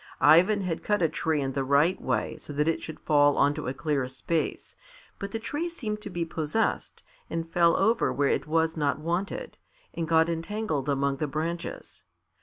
Ivan had cut a tree in the right way so that it should fall on to a clear space, but the tree seemed to be possessed, and fell over where it was not wanted, and got entangled among the branches.